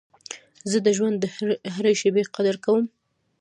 زه د ژوند د هري شېبې قدر کوم.